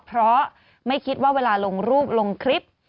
เพราะไม่คิดว่าเวลาลงรูปลงคลิป